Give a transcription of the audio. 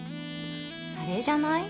あれじゃない？